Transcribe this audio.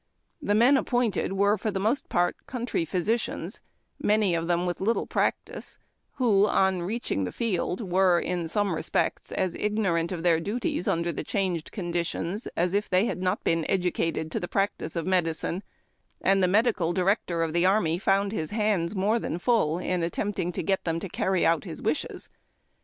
Tlie men appointed were for the most part country physicians, many of them with little practice, who, on reaching the field, were, in some respects, as ignorant of their duties under tlie changed conditions as if they had not been educated to the p)ractice of medicine ; and the medical director of the army found his liands more than full in attempting to get them to carry out his wishes.